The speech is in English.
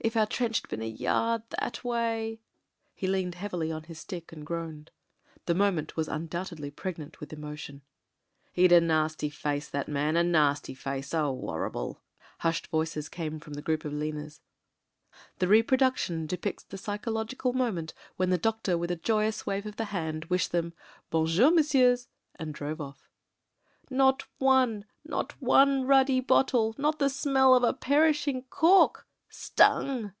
If our trench had been a yard that way. ..." He leant heavily on his stick, and groaned. The moment was undoubtedly pregnant with emo tion. " 'E'ad a nasty face, that man ^ a nasty face. Oh. 'orrible." BLACK, WHITE, AND— GREY 285 Hushed voices came from the group of leaners. The ^'reproduction" depicts the psychological moment when the doctor with a joyous wave of the hand wished them ''Bonjour, messieurs/' and drove off. "Not one — not one ruddy bottle — not the smell of a perishing cork. Stung!"